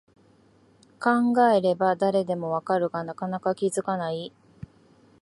考えれば誰でもわかるが、なかなか気づかない